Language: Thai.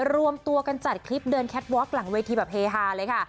รวมตัวกันจัดคลิปเดินแคทวอคหลังเวทีแบบเฮฮาเลยค่ะ